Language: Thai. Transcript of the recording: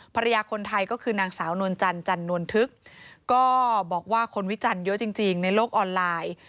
ภรรยาคนไทยก็คือนางสาวนวลจันจันนวลทึกก็บอกว่าคนวิจันทร์เยอะจริงในโลกออนไลน์